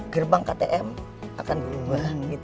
gerbang ktm akan berubah